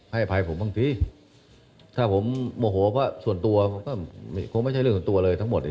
อภัยผมบางทีถ้าผมโมโหก็ส่วนตัวผมก็คงไม่ใช่เรื่องส่วนตัวเลยทั้งหมดเนี่ย